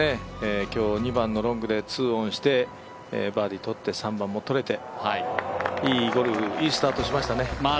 今日、２番のロングで２オンしてバーディー取って３番も取れて、いいゴルフ、いいスタートしましたね